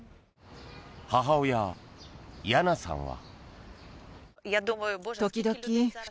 母親ヤナさんは。